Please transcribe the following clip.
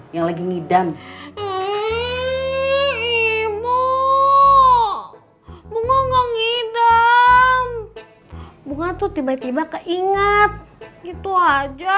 pernah gak bisa